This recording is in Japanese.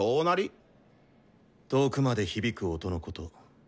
遠くまで響く音のこと。